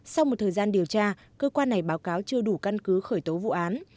sau một thời gian điều tra cơ quan này báo cáo chưa đủ căn cứ khởi tố vụ án